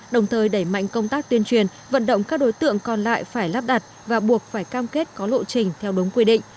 đồng thời đẩy mạnh công tác tuyên truyền vận động các đối tượng còn lại phải lắp đặt và buộc phải cam kết có lộ trình theo đúng quy định